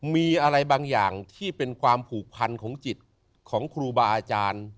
มีอะไรบางอย่างที่เป็นความผูกพันของจิตของครูบาอาจารย์